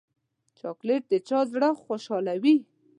چاکلېټ د چا زړه خوشحالوي.